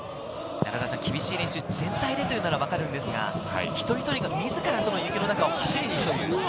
厳しい練習、全体でというのは分かるんですが、一人一人が自ら雪の中を走るという。